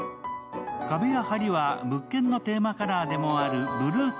壁やはりは物件のテーマカラーでもあるブルート